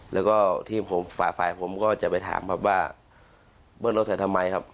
แล้วก็ทีมผมฝ่าฝ่ายผมก็จะไปถามครับว่าเบิ้ลรถใส่ทำไมครับ